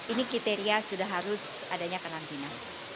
ini kriteria sudah harus adanya karantina